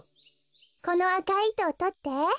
このあかいいとをとって。